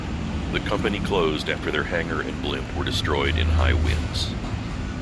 The company closed after their hangar and blimp were destroyed in high winds.